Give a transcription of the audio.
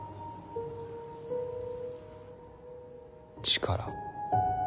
力。